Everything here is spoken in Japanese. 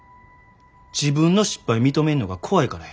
自分の失敗認めんのが怖いからや。